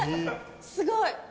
すごい！